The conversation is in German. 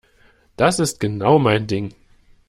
Das ist genau mein Ding.